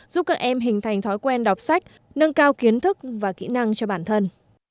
giúp các em hình thành thói quen đọc sách nâng cao kiến thức và kỹ năng cho bản thân